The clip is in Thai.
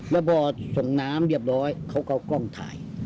แล้เป่นส่งน้ำเรียบร้อยเขากล้องถ่าย